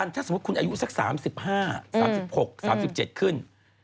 ถ้าสมมุติคุณอายุสัก๓๕๓๖๓๗ขึ้น